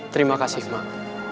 terima kasih mak